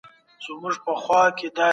د پرمختګ په مخ کي خنډونه بايد لیري سي.